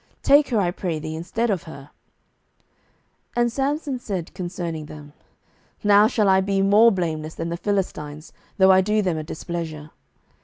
take her, I pray thee, instead of her. 07:015:003 And Samson said concerning them, Now shall I be more blameless than the Philistines, though I do them a displeasure.